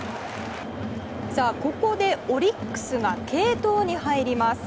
ここでオリックスが継投に入ります。